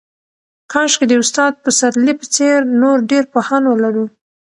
کاشکې د استاد پسرلي په څېر نور ډېر پوهان ولرو.